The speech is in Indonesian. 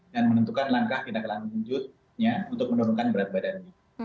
dan menentukan langkah tindakan lanjutnya untuk menurunkan berat badannya